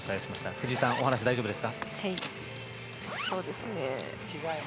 藤井さん、お話大丈夫ですか？